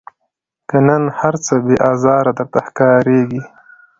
که نن هرڅه بې آزاره در ښکاریږي